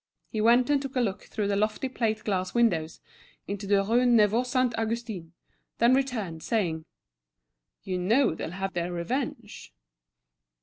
He went and took a look through the lofty plate glass windows, into the Rue Neuvor Saint Augustin, then returned, saying: "You know they'll have their revenge."